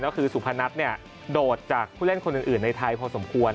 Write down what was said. ก็คือสุพนัทโดดจากผู้เล่นคนอื่นในไทยพอสมควร